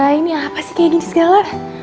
aduh guys ini apa sih kayak gini segala